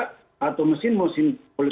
seperti yang tadi